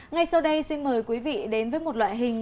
ngay sau đây xin mời quý vị đến với một loại hình